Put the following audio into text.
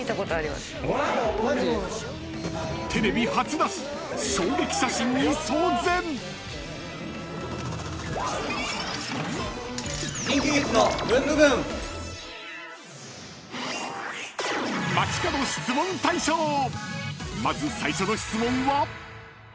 ［まず最初の質問は］